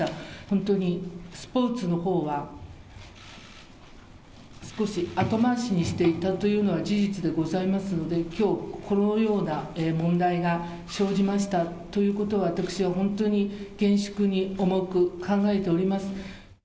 本当にスポーツのほうは少し後回しにしていたというのは事実でございますので、きょう、このような問題が生じましたということは、私は本当に厳粛に重く考えております。